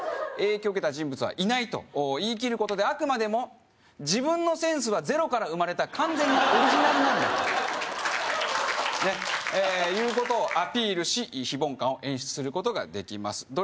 影響を受けた人物は「いない」と言い切ることであくまでも自分のセンスはゼロから生まれた完全なオリジナルなんだということをアピールし非凡感を演出することができます